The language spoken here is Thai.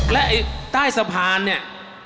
และไอ้ใต้สะพานเนี่ย